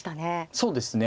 そうですね。